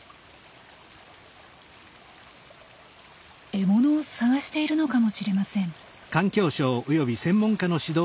獲物を探しているのかもしれません。